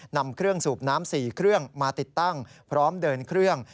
นำเครื่องสูบน้ำ๔เครื่องมาติดตั้งพร้อมเดินเครื่อง